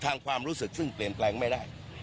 ความรู้สึกซึ่งเปลี่ยนแปลงไม่ได้